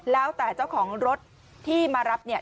แล้วแต่เจ้าของรถที่มารับเนี่ย